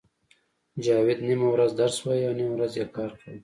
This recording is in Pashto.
جاوید نیمه ورځ درس وایه او نیمه ورځ کار کاوه